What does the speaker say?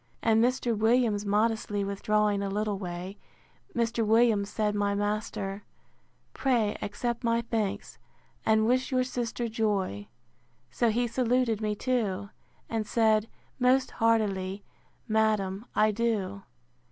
And Mr. Williams modestly withdrawing a little way; Mr. Williams, said my master, pray accept my thanks, and wish your sister joy. So he saluted me too; and said, Most heartily, madam, I do.